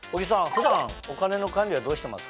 普段お金の管理はどうしてますか？